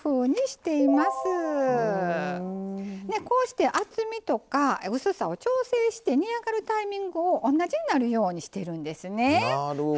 こうして厚みとか薄さを調整して煮上がるタイミングを同じになるようにしてるんですね。